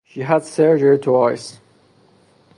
She had surgery twice.